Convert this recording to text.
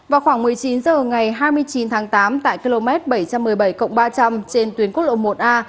vào khoảng một mươi chín h ngày hai mươi chín tháng tám tại km bảy trăm một mươi bảy ba trăm linh trên tuyến quốc lộ một a